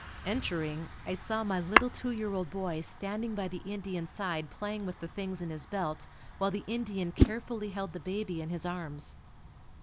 Entering, I saw my little two year old boy standing by the Indian's side playing with the things in his belt while the Indian carefully held the baby in his arms.